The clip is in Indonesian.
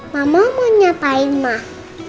mama mau nyapain mah